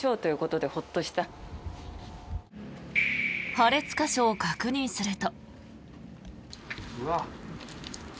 破裂箇所を確認すると。